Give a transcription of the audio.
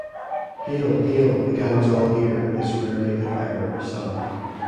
"Hail, Hail, the gang's all here" is rarely, if ever, sung.